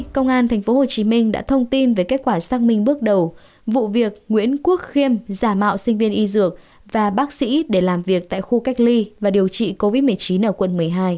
công an tp hcm đã thông tin về kết quả xác minh bước đầu vụ việc nguyễn quốc khiêm giả mạo sinh viên y dược và bác sĩ để làm việc tại khu cách ly và điều trị covid một mươi chín ở quận một mươi hai